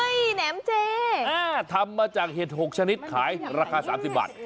เฮ้ยแหนมเจอ่าทำมาจากเห็ดหกชนิดขายราคาสามสิบบาท